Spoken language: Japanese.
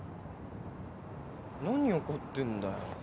何怒ってんだよ？